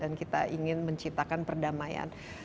dan kita ingin menciptakan perdamaian